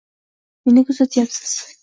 Meni kuzatyapsiz.